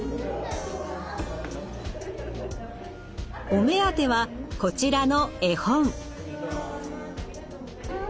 お目当てはこちらの絵本。